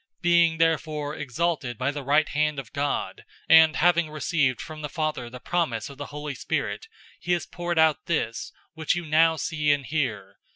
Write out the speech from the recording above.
002:033 Being therefore exalted by the right hand of God, and having received from the Father the promise of the Holy Spirit, he has poured out this, which you now see and hear.